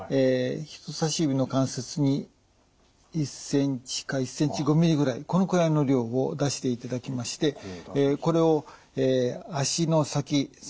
人さし指の関節に１ｃｍか１ｃｍ５ｍｍぐらいこのくらいの量を出していただきましてこれを足の先３分の１ぐらいですね。